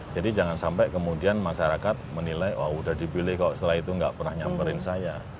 jadi jangan sampai kemudian masyarakat menilai wah udah dipilih kok setelah itu enggak pernah nyamperin saya